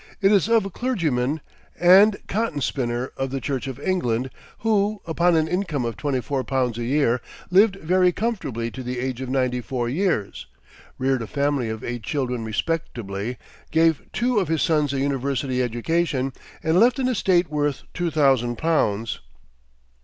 It is of a clergyman and cotton spinner of the Church of England, who, upon an income of twenty four pounds a year, lived very comfortably to the age of ninety four years, reared a family of eight children respectably, gave two of his sons a University education, and left an estate worth two thousand pounds.